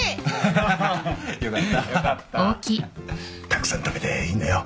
たくさん食べていいんだよ。